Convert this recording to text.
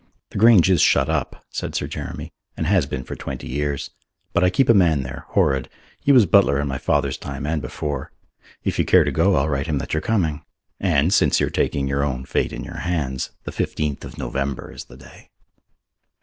"The Grange is shut up," said Sir Jeremy, "and has been for twenty years. But I keep a man there Horrod he was butler in my father's time and before. If you care to go, I'll write him that you're coming. And, since you are taking your own fate in your hands, the fifteenth of November is the day."